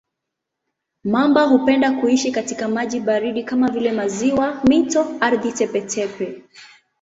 Mamba hupenda kuishi katika maji baridi kama vile maziwa, mito, ardhi tepe-tepe.